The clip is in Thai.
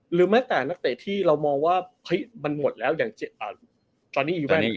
หรือแม้แต่ตั้งแต่ที่เรามองว่ามันหมดแล้วอย่าง๗อัน